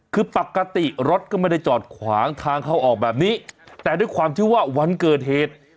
คือปกติรถก็ไม่ได้จอดขวางทางเข้าออกแบบนี้แต่ด้วยความที่ว่าวันเกิดเหตุ